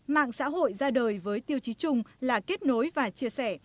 mạng xã hội ra đời với tiêu chí chung là kết nối và chia sẻ